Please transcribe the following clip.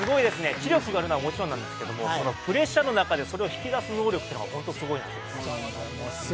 気力があるのはもちろんなんですが、プレッシャーの中で引き出す能力っていうのが本当にすごいです。